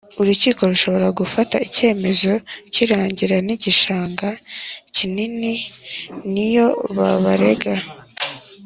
Urukiko rushobora gufata icyemezo cy irangira n igishanga kinini niyo babarega